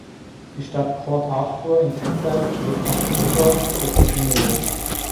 Die Stadt Port Arthur in Texas liegt am Ufer des Sabine Lake.